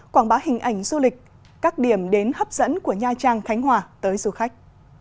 quảng bá hình ảnh du lịch các điểm đến hấp dẫn của nha trang khánh hòa tới du khách